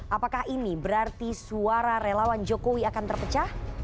apakah ini berarti suara relawan jokowi akan terpecah